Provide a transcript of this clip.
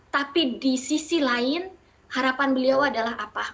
tapi di sisi lain harapan beliau adalah apa